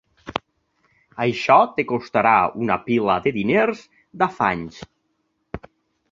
Això et costarà una pila de diners, d'afanys.